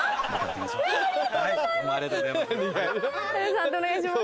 判定お願いします。